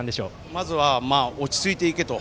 まずは落ち着いていけと。